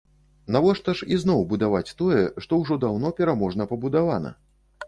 Навошта ж ізноў будаваць тое, што ўжо даўно пераможна пабудавана?